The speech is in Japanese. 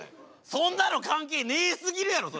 そんなの関係ねえすぎるやろそれは。